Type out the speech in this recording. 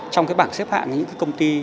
trong cái bảng xếp hạng những công ty